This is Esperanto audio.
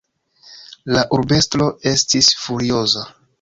La urbestro estis furioza.